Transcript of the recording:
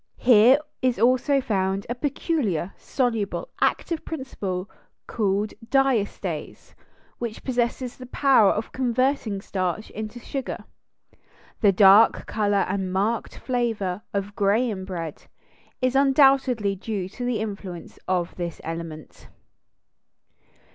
Here is also found a peculiar, soluble, active principle called diastase, which possesses the power of converting starch into sugar. The dark color and marked flavor of Graham bread is undoubtedly due to the influence of this element.